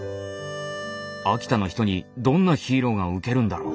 秋田の人にどんなヒーローがウケるんだろう。